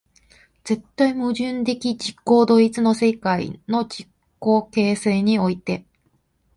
絶対矛盾的自己同一の世界の自己形成において、